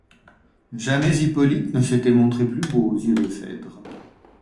Jamais Hippolyte ne s'était montré plus beau aux yeux de Phèdre.